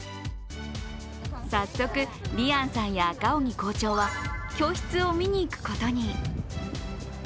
早速、莉杏さんや赤荻校長は教室を見にいくことに。